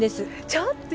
ちょっと。